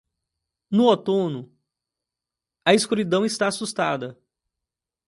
No outono, a escuridão está assustada.